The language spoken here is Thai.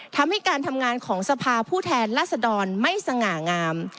ทำให้การทำงานของสภาผู้แทนรัศดรไม่สง่างาม